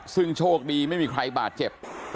ซึ่งโชคดีไม่มีใครบาดเจ็บ